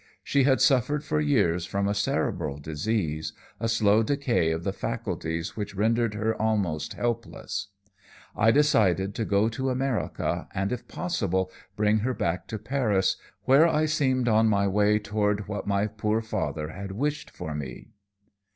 She had suffered for years from a cerebral disease, a slow decay of the faculties which rendered her almost helpless. I decided to go to America and, if possible, bring her back to Paris, where I seemed on my way toward what my poor father had wished for me.